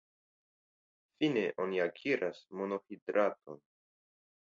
Fine oni akiras monohidraton.